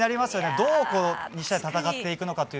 どう２試合戦っていくのか。